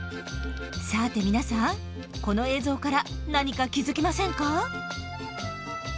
さて皆さんこの映像から何か気付きませんか？